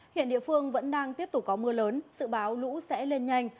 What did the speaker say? hiện địa phương vẫn đang tiếp tục có mưa lớn dự báo lũ sẽ lên nhanh